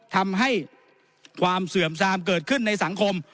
ทำให้ความเสื่อมซามเกิดขึ้นในสังคม